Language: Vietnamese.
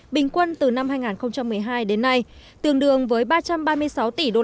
bình quân từ năm hai nghìn một mươi hai đến nay tương đương với ba trăm ba mươi sáu tỷ usd